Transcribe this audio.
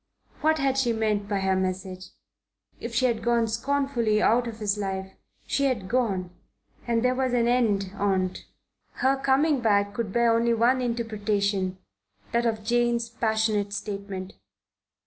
What had she meant by her message? If she had gone scornfully out of his life, she had gone, and there was an end on't. Her coming back could bear only one interpretation that of Jane's passionate statement.